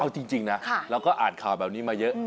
เอาจริงจริงนะค่ะแล้วก็อ่านข่าวแบบนี้มาเยอะอืม